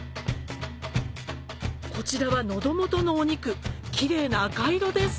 こちらはのど元のお肉キレイな赤色です